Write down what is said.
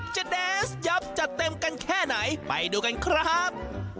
จะแดนส์ยับจัดเต็มกันแค่ไหนไปดูกันครับ